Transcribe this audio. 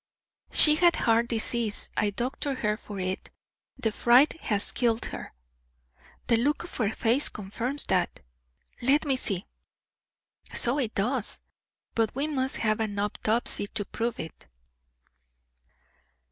"She had heart disease. I doctored her for it. The fright has killed her." "The look of her face confirms that." "Let me see! So it does; but we must have an autopsy to prove it."